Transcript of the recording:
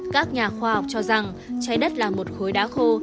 các nhà khoa học cho rằng trái đất là một khối đá khô